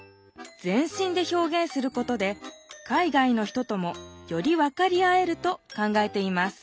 全身で表現することで海外の人ともより分かり合えると考えています